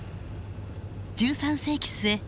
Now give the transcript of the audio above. １３世紀末